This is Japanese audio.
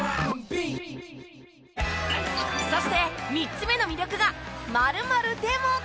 そして３つ目の魅力が。